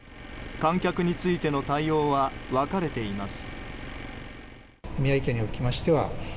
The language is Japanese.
観客についての対応は分かれています。